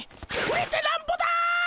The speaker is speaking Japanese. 売れてなんぼだ！